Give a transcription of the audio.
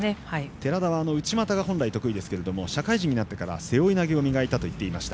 寺田は本来内股が得意ですけれども社会人になってから背負い投げを磨いたと言っていました。